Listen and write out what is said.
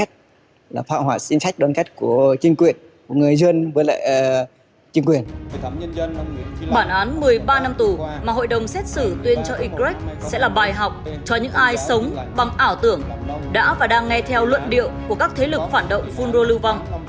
đã và đang nghe theo luận điệu của các thế lực phản động phun rô lưu vong